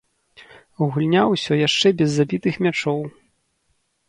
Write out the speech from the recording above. Гульня ўсё яшчэ без забітых мячоў.